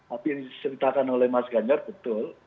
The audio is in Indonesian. apa yang diceritakan oleh mas ganjar betul